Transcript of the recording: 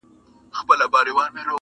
فتحه زما ده، فخر زما دی، جشن زما دی؛